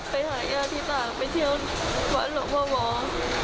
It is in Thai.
ไปหาแย่ที่ต่างไปเที่ยววันหรอกพ่อบอก